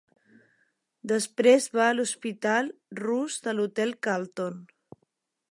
Després va a l'hospital rus de l'Hotel Carlton.